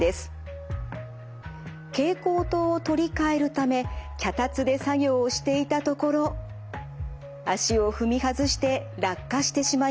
蛍光灯を取り替えるため脚立で作業をしていたところ足を踏み外して落下してしまいます。